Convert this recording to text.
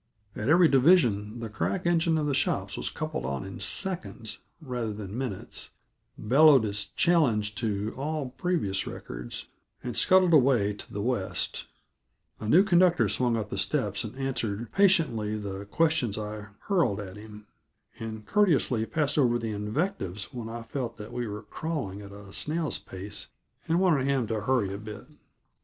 At every division the crack engine of the shops was coupled on in seconds, rather than minutes, bellowed its challenge to all previous records, and scuttled away to the west; a new conductor swung up the steps and answered patiently the questions I hurled at him, and courteously passed over the invectives when I felt that we were crawling at a snail's pace and wanted him to hurry a bit.